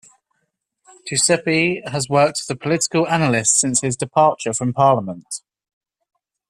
Duceppe has worked as a political analyst since his departure from parliament.